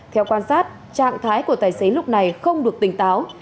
theo quan sát trạng thái của tài xế lúc này không được tỉnh táo